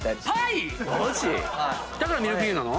だからミルフィーユなの？